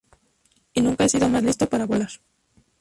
Y nunca he sido más listo para volar.